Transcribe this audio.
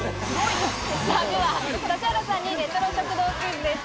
では指原さんにレトロ食堂クイズです。